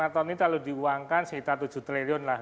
lima tahun ini kalau diuangkan sekitar tujuh triliun lah